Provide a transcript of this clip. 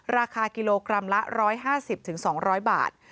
ราคากิโลกรัมละ๑๕๐๒๐๐บาท